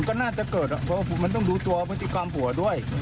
ก็น่าจะเกิดก็เพราะต้องดูตัวพัฒนาของผัวด้วย